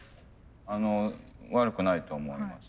あの悪くないと思います。